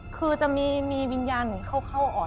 คือจะมีวิญญาณเข้าอ่อน